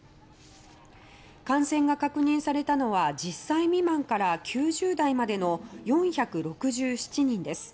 感染が確認されたのは１０歳未満から９０代までの４６７人です。